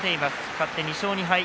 勝って２勝２敗。